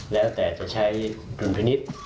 แล้วแต่จะใช้ดุลพินิษฐ์